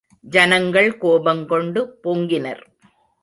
ஜனங்கள் கோபங்கொண்டு பொங்கினர்.